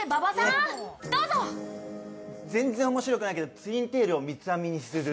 全然面白くないけど、ツインテールを三つ編みにする。